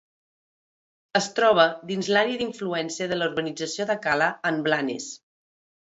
Es troba dins l'àrea d'influència de la urbanització de Cala en Blanes.